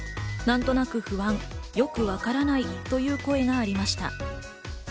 何となく不安、よくわからないという声がありました。